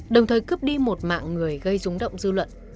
đồng thời cướp đi một mạng người gây rúng động dư luận